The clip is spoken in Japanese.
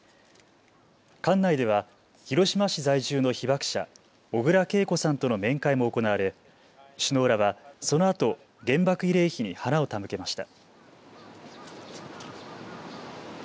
館内では広島市在住の被爆者、小倉桂子さんとの面会も行われ首脳らはそのあと原爆慰霊碑に花を手向けました。